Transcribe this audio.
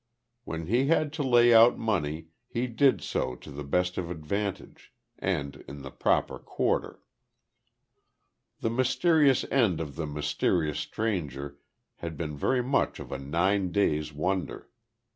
When he had to lay out money he did so to the best of advantage, and in the proper quarter. The mysterious end of the mysterious stranger had been very much of a nine days' wonder.